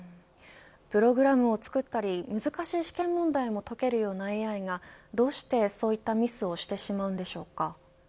プログラムを作ったり難しい試験問題も解けるようなＡＩがどうして、そういったミスをしてしまうんでしょうか。